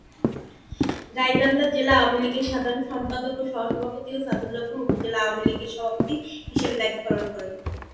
গাইবান্ধা জেলা আওয়ামী লীগের সাধারণ সম্পাদক ও সহসভাপতি ও সাদুল্লাপুর উপজেলা আওয়ামী লীগের সভাপতি হিসাবে দায়িত্ব পালন করেন।